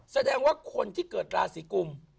แสดงว่าคนที่เกิดราศีกุม